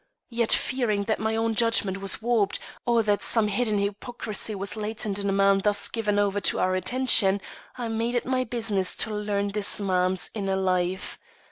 Yet, fearing that my own judgment was warped, or that some hidden hypocrisy was latent in a man thus given over to our attention, I made it my business to learn this man's inner life.